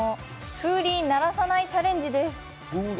風鈴鳴らさないチャレンジ